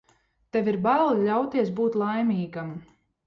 Tev ir bail ļauties būt laimīgam.